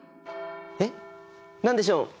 えっ何でしょう？